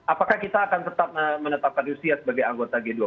apakah kita akan tetap menetapkan rusia sebagai anggota g dua puluh